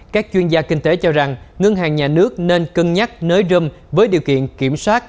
các chuyên gia kinh tế cho rằng ngân hàng nhà nước nên cân nhắc nới râm với điều kiện kiểm soát